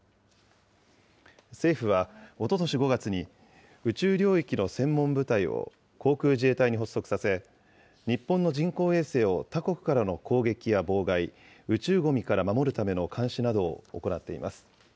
政府はおととし５月に、宇宙領域の専門部隊を航空自衛隊に発足させ、日本の人工衛星を他国からの攻撃や妨害、宇宙ごみから守るための監視などを行っています。